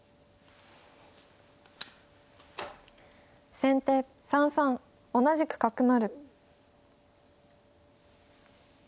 先手３三同じく角成。